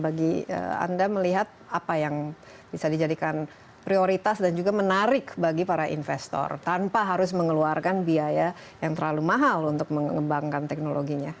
bagi anda melihat apa yang bisa dijadikan prioritas dan juga menarik bagi para investor tanpa harus mengeluarkan biaya yang terlalu mahal untuk mengembangkan teknologinya